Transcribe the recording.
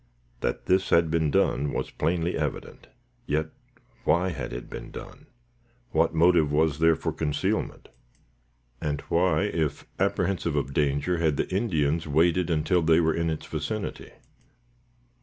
That this had been done, was plainly evident. Yet why had it been done? What motive was there for concealment? And why, if apprehensive of danger, had the Indians waited till they were in its vicinity?